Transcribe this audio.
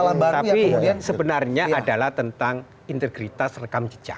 tapi sebenarnya adalah tentang integritas rekam jejak